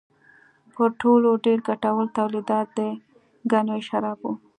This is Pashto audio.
تر ټولو ډېر ګټور تولیدات د ګنیو شراب و.